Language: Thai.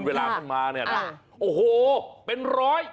เวลาขึ้นมาเนี่ยนะโอ้โหเป็นร้อย